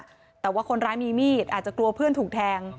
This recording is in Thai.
แต่ว่าคนร้ายมีมีดอาจจะกลัวเพื่อนถูกแทง